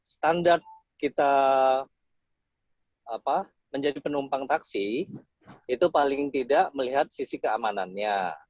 standar kita menjadi penumpang taksi itu paling tidak melihat sisi keamanannya